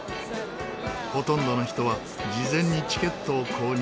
ほとんどの人は事前にチケットを購入。